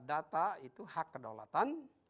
data itu hak kedaulatan